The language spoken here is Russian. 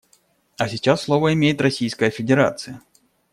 А сейчас слово имеет Российская Федерация.